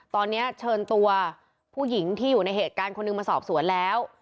ตอนนี้เชิญตัวผู้หญิงที่อยู่ในเหตุการณ์คนหนึ่งมาสอบสวนแล้ว